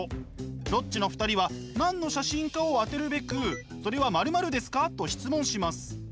ロッチの２人は何の写真かを当てるべくそれは〇〇ですか？と質問します。